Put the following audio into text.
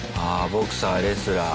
ボクサーレスラー。